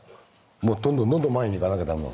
もうどんどんどんどん前にいかなきゃダメ。